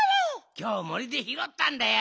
きょう森でひろったんだよ。